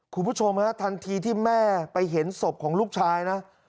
คุณผู้ชมฮะทันทีที่แม่ไปเห็นศพของลูกชายนะ